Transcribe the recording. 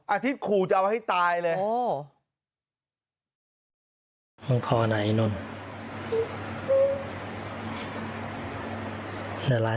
อาทิตย์ขู่จะเอาให้ตายเลย